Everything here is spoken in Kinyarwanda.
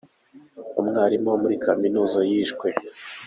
Umwarimu wo muri kaminuza yishwe